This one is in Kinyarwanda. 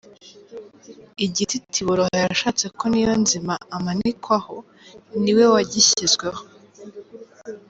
Igiti Tiboroha yashatse ko Niyonzima amanikwaho ni we wagishyizweho.